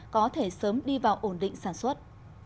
có thể sớm đi vào ổn định sản xuất